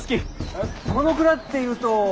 えっこの蔵っていうと。